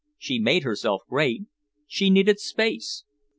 She made herself great. She needed space."